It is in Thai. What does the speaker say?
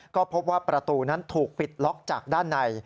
ก็พบว่าประตูนั้นถูกปิดล็อกจากด้านใน